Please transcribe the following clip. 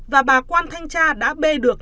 và bà quan thanh tra đã bê được